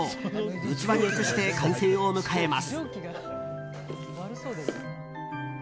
器に移して完成を迎えます。